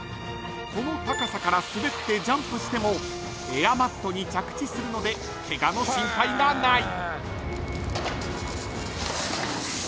［この高さから滑ってジャンプしてもエアマットに着地するのでケガの心配がない］